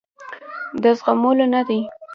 د زغملو نه دي.